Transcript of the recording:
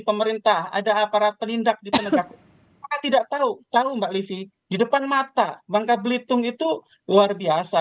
pemerintah ada aparat penindak di penegak hukum maka tidak tahu tahu mbak livi di depan mata bangka belitung itu luar biasa